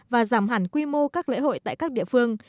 và giảm hẳn quy mô các lễ hội tại các địa phương